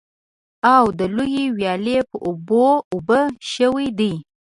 او د لویې ويالې په اوبو اوبه شوي دي.